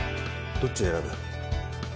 どっちを選ぶ？